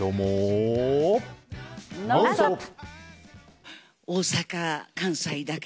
「ノンストップ！」。